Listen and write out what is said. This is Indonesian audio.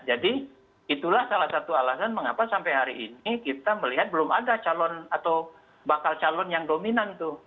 jadi itulah salah satu alasan mengapa sampai hari ini kita melihat belum ada calon atau bakal calon yang dominan tuh